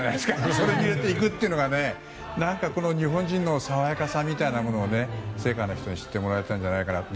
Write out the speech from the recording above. それに入れていくのが日本人の爽やかさみたいなのを世界の人に知ってもらえたんじゃないかなって。